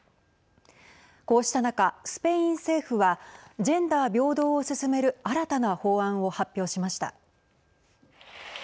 こうした中、スペイン政府はジェンダー平等を進める新たな法案を発表しました。